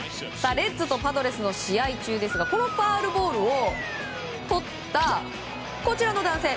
レッズとパドレスの試合中ですがこのファウルボールをとったこちらの男性。